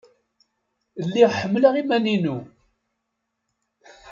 Lliɣ ḥekkmeɣ iman-inu.